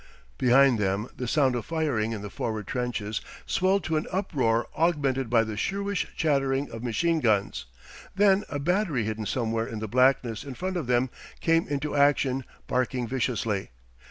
Behind them the sound of firing in the forward trenches swelled to an uproar augmented by the shrewish chattering of machine guns. Then a battery hidden somewhere in the blackness in front of them came into action, barking viciously.